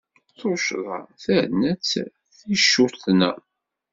Tuccḍa terna-tt ticcuṭna.